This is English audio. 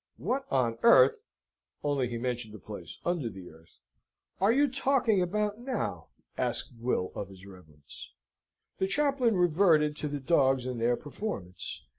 "What on earth" (only he mentioned a place under the earth) "are you talking about now?" asked Will of his reverence. The chaplain reverted to the dogs and their performance.